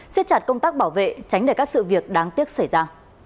xếp chặt công tác bảo vệ tránh để các sự việc đáng tiếc xảy ra